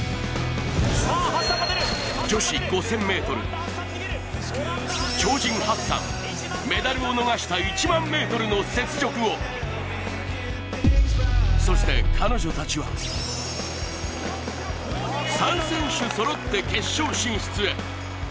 女子５０００ｍ超人・ハッサンメダルを逃した１００００ｍの雪辱をそして、彼女たちは３選手そろって決勝進出へ。